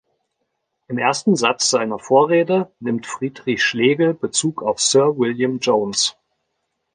Im ersten Satz seiner Vorrede nimmt Friedrich Schlegel Bezug auf Sir William Jones.